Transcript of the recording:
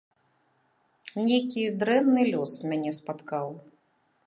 Нейкі дрэнны лёс мяне спаткаў.